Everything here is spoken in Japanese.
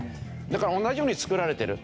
だから同じように作られてる。